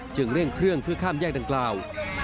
เร่งเครื่องเพื่อข้ามแยกดังกล่าว